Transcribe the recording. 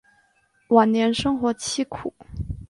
晚年生活凄苦。